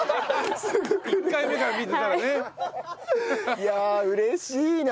いやあ嬉しいな。